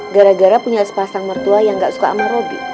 gara gara punya sepasang mertua yang gak suka sama robi